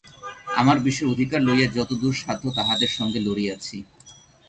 আমার বিষয়ের অধিকার লইয়া যতদূর সাধ্য তাহাদের সঙ্গে লড়িয়াছি।